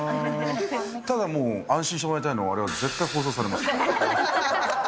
ただもう、安心してもらいたいのは、われわれ絶対放送されます。